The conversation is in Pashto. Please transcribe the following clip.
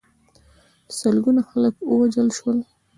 سلګونه خلک ووژل شول.